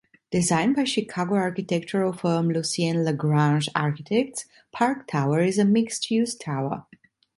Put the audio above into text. Designed by Chicago architectural firm Lucien Lagrange Architects, Park Tower is a mixed-use tower.